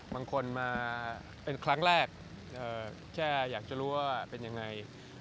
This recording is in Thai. บางคนมาเป็นครั้งแรกแค่อยากจะรู้ว่าเป็นยังไง